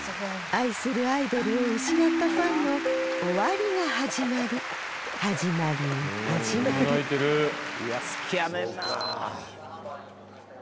愛するアイドルを失ったファンの「終わりが始まり」始まり始まりいや好きやねんなぁ。